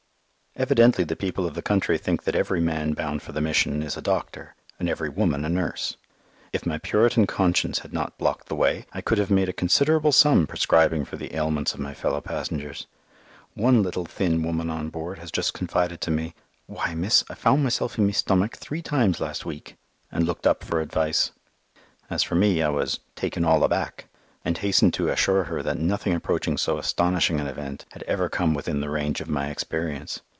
Evidently the people of the country think that every man bound for the Mission is a doctor, and every woman a nurse. If my Puritan conscience had not blocked the way, I could have made a considerable sum prescribing for the ailments of my fellow passengers. One little thin woman on board has just confided to me, "Why, miss, I found myself in my stomach three times last week" and looked up for advice. As for me, I was "taken all aback," and hastened to assure her that nothing approaching so astonishing an event had ever come within the range of my experience.